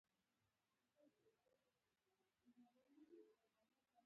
مصنوعي ځیرکتیا د اخلاقو عملي بڼه ازموي.